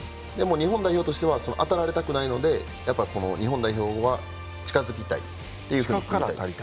日本代表としては当たられたくないので日本代表は近づきたいというふうに。